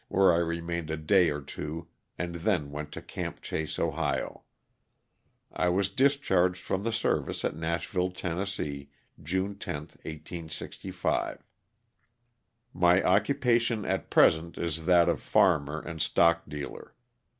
where I remained a day or two and then went to Camp Chase, Ohio. I was discharged from the service at Nashville, Tenn., June 10, 1865. My occupation at present is that of a farmer and stockdealer.